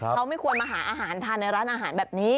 เขาไม่ควรมาหาอาหารทานในร้านอาหารแบบนี้